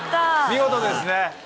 見事ですね。